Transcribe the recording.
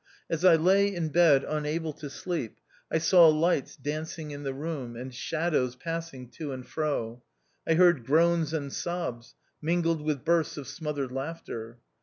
As I lay in bed unable to sleep, I saw lights dancing in the room, and shadows passing to and fro ; I heard groans and sobs, mingled with bursts of smothered laughter.